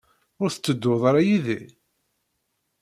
Ur tettedduḍ ara yid-i?